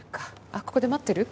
あっここで待ってる？